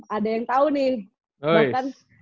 ada yang tahu nih